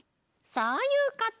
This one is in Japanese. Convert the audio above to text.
そういうこと！